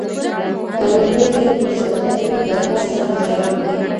که لومړی ځل مو سردرد وي، ډاکټر سره مشوره وکړئ.